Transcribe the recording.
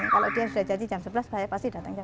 kalau dia sudah janji jam sebelas saya pasti datang ke